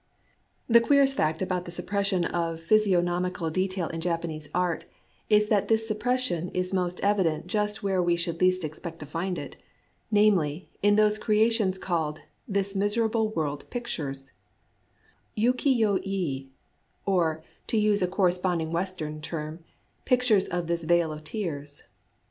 The queerest fact about the suppression of ABOUT FACES IN JAPANESE ART 115 physiognomical detail in Japanese art is that this suppression is most evident just where we should least expect to find it, namely, in those creations called ^' This miserable world pictures " (Ukiyo ye), or, to use a correspond ing Western term, " Pictures of this Vale of Tears."